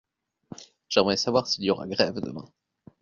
J’aimerais savoir s’il y aura grève demain.